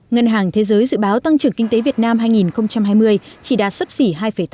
ngân hàng thế giới dự báo tăng trưởng kinh tế việt nam hai nghìn hai mươi chỉ đạt sấp xỉ hai tám